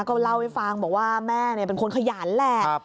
ก็เล่าให้ฟังบอกว่าแม่เป็นคนขยันแหละ